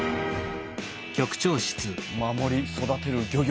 「守り育てる漁業」。